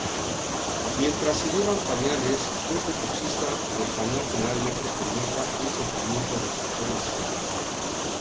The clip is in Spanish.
Mientras se llevan pañales, un fetichista del pañal generalmente experimenta un sentimiento de consolación.